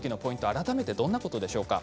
改めてどんなことでしょうか。